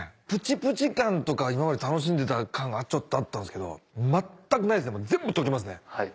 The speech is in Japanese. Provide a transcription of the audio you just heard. プチプチ感とか今まで楽しんでた感がちょっとあったんですけど全くないですね全部溶けますね。